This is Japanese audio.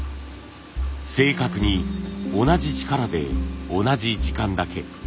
正確に同じ力で同じ時間だけ。